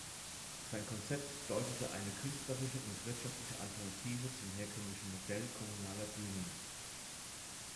Sein Konzept bedeutet eine künstlerische und wirtschaftliche Alternative zum herkömmlichen Modell kommunaler Bühnen.